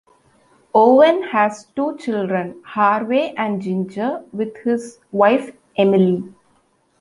Owen has two children, Harvey and Ginger, with his wife Emilie.